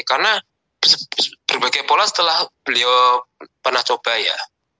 karena berbagai pola setelah beliau pernah coba ya